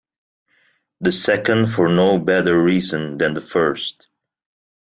The second for no better reason than the first.